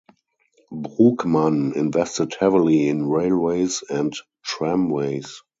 Brugmann invested heavily in railways and tramways.